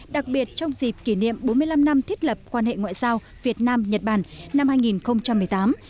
đặc biệt trong dịp kỷ niệm bốn mươi năm năm thiết lập quan hệ ngoại giao việt nam nhật bản năm hai nghìn một mươi tám